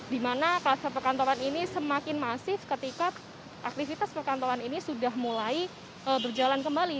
di mana kluster perkantoran ini semakin masif ketika aktivitas perkantoran ini sudah mulai berjalan kembali